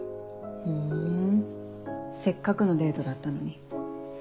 ふんせっかくのデートだったのに。